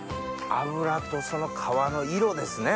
脂とその皮の色ですね